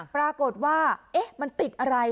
ปรากฏว่ามันติดอะไร